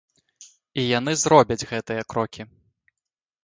І яны зробяць гэтыя крокі.